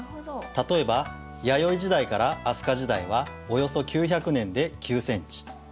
例えば弥生時代から飛鳥時代はおよそ９００年で９センチ。